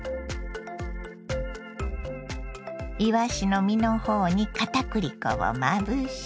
いわしの身の方にかたくり粉をまぶし。